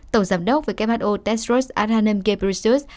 tổng giám đốc who tedros adhanom ghebreyesus